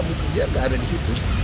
bukti jira tidak ada di situ